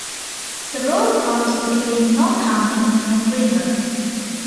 The road runs between North Hampton and Greenland.